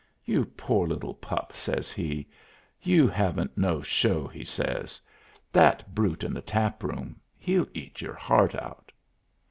"You poor little pup," says he; "you haven't no show," he says. "That brute in the tap room he'll eat your heart out."